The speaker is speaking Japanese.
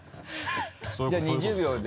じゃあ２０秒で。